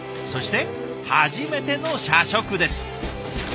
そして初めての社食です。